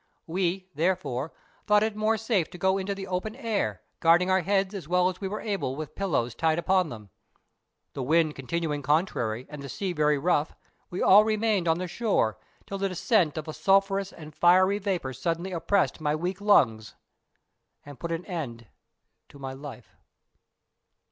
We, therefore, thought it more safe to go into the open air, guarding our heads as well as we were able with pillows tied upon them. The wind continuing contrary, and the sea very rough, we all remained on the shore, till the descent of a sulphurous and fiery vapour suddenly oppressed my weak lungs and put an end to my life.